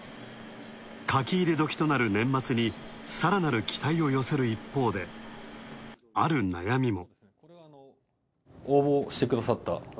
かき入れ時となる年末に、更なる期待を寄せる一方で、ある悩みも。